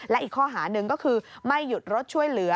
และอีกข้อหาหนึ่งก็คือไม่หยุดรถช่วยเหลือ